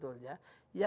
yang pertama sebetulnya